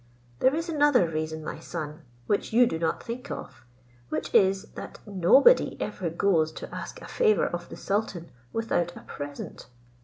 There is another reason, my son, which you do not think of, which is that nobody ever goes to ask a favour of the sultan without a present.